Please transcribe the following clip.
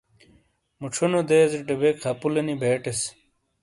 موچھونو دیزٹے بے خپلو نی بے ٹیس۔